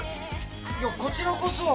いやこちらこそ。